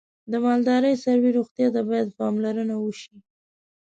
د مالدارۍ څاروی روغتیا ته باید پاملرنه وشي.